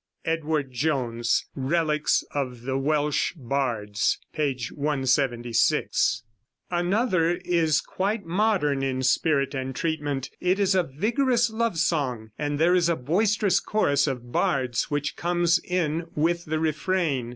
(Edward Jones' "Relics of the Welsh Bards," p. 176) Another (p. 94) is quite modern in spirit and treatment. It is a vigorous love song, and there is a boisterous chorus of bards which comes in with the refrain.